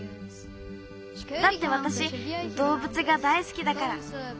だってわたしどうぶつが大すきだから。